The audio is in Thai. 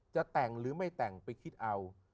จะแต่งหรือไม่แต่งไปคิดเอา